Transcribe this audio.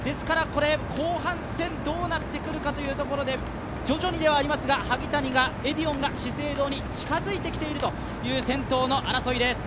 後半戦、どうなってくるかというところで、徐々にではありますが萩谷が資生堂に近づいてきているという先頭の争いです。